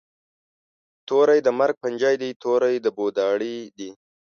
توری د مرګ پنجی دي، توری د بو داړي دي